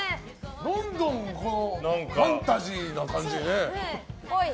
どんどんファンタジーな感じでね。